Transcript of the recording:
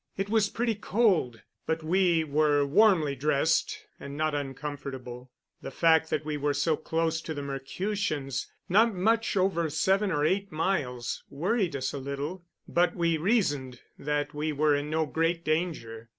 It was pretty cold, but we were warmly dressed and not uncomfortable. The fact that we were so close to the Mercutians not much over seven or eight miles worried us a little. But we reasoned that we were in no great danger.